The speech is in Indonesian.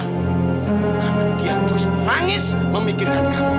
karena dia terus menangis memikirkan kamu